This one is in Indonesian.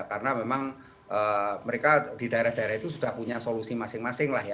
karena memang mereka di daerah daerah itu sudah punya solusi masing masing lah ya